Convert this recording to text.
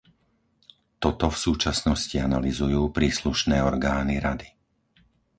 Toto v súčasnosti analyzujú príslušné orgány Rady.